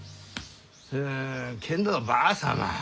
んけんどばあ様